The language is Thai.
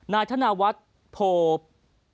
นายธนวัฒน์โพ